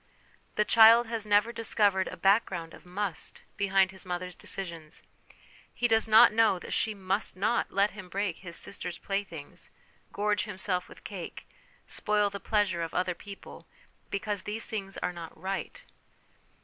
The child has never discovered a background of must behind his mother's decisions; he does not know that she must not let him break his sister's playthings, gorge himself with cake, spoil the pleasure of other people, because these things are not right.